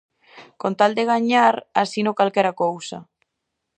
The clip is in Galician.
Con tal de gañar asino calquera cousa.